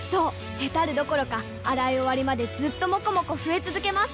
ヘタるどころか洗い終わりまでずっともこもこ増え続けます！